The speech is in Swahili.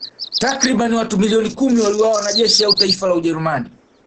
Takriban watu milioni kumi waliuawa na jeshi au taifa la Ujerumani